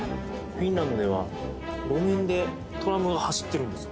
フィンランドでは路面でトラムが走ってるんですよ